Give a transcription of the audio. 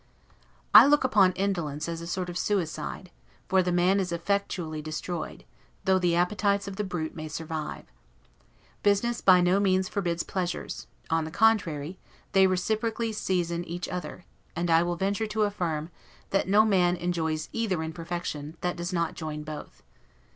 I look upon indolence as a sort of SUICIDE; for the man is effectually destroyed, though the appetites of the brute may survive. Business by no means forbids pleasures; on the contrary, they reciprocally season each other; and I will venture to affirm, that no man enjoys either in perfection, that does not join both.